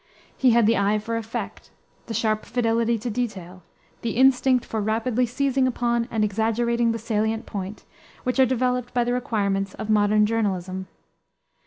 He had the eye for effect, the sharp fidelity to detail, the instinct for rapidly seizing upon and exaggerating the salient point, which are developed by the requirements of modern journalism.